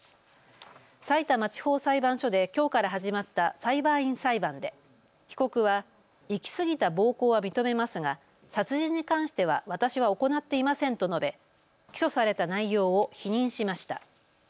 さいたま地方裁判所できょうから始まった裁判員裁判で被告はいきすぎた暴行は認めますが殺人に関しては私は行っていませんと述べ起訴された内容を否認しました。